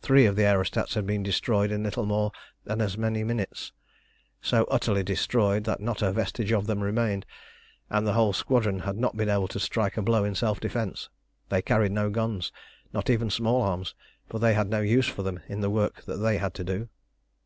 Three of the aerostats had been destroyed in little more than as many minutes, so utterly destroyed that not a vestige of them remained, and the whole squadron had not been able to strike a blow in self defence. They carried no guns, not even small arms, for they had no use for them in the work that they had to do.